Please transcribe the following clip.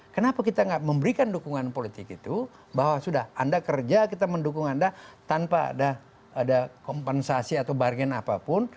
kenapa kita tidak memberikan dukungan politik itu bahwa sudah anda kerja kita mendukung anda tanpa ada kompensasi atau bargain apapun